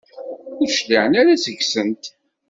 Ur d-cliɛen ara seg-sent?